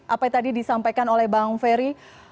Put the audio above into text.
apa yang tadi disampaikan oleh bang ferry